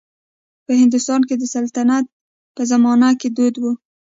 په هندوستان کې د سلطنت په زمانه کې دود و.